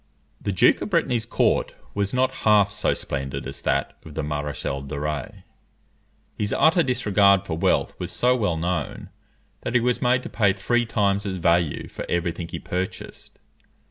The Duke of Brittany's court was not half so splendid as that of the Maréchal de Rays. His utter disregard for wealth was so well known, that he was made to pay three times its value for every thing he purchased.